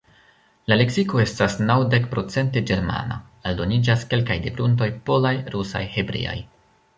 La leksiko estas naŭdekprocente ĝermana; aldoniĝas kelkaj depruntoj polaj, rusaj, hebreaj.